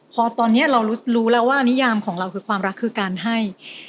พอตอนนี้เรารู้แล้วว่านิยามของเราคือความรักคือการให้